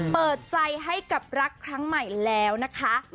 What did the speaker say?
เปิดใจให้กับรักครั้งใหม่แล้วนะคะ